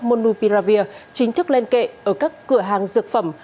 monupiravir chính thức lên kệ ở các cửa hàng dược phẩm